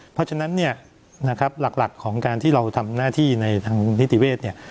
เพราะฉะนั้นเนี่ยนะครับหลักของการที่เราทำหน้าที่ในทางนิติเวศเนี่ย